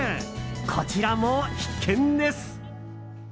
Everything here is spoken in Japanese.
こちらも必見です！